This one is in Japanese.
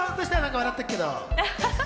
笑ってるけど。